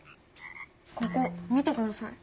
ここ見てください。